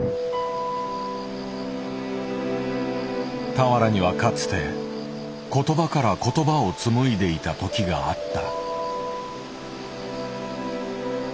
俵にはかつて言葉から言葉をつむいでいた時があった。